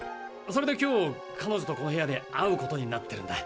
それで今日彼女とこの部屋で会うことになってるんだ。